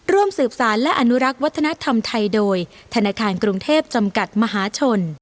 ร่วมสืบสารและอนุรักษ์วัฒนธรรมไทยโดยธนาคารกรุงเทพจำกัดมหาชน